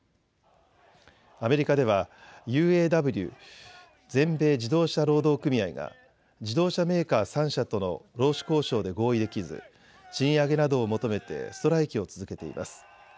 アメリカではＵＡＷ・全米自動車労働組合が自動車メーカー３社との労使交渉で合意できず賃上げなどを求めてストライキを続けています。